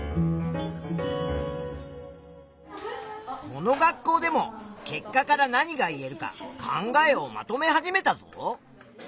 この学校でも結果から何が言えるか考えをまとめ始めたぞ。